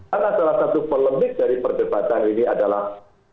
karena salah satu polemik dari perdebatan ini adalah